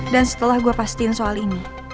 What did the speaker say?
dan setelah gue pastiin soal ini